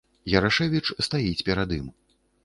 Ярашэвіч стаіць перад ім.